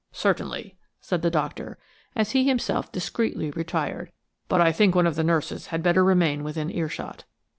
"Certainly," said the doctor, as he himself discreetly retired; "but I think one of the nurses had better remain within earshot."